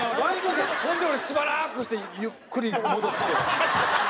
ほんで俺しばらくしてゆっくり戻って。